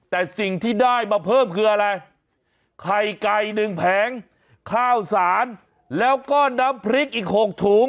แต่สิ่งที่ได้มาเพิ่มคืออะไรไข่ไก่หนึ่งแผงข้าวสารแล้วก็น้ำพริกอีก๖ถุง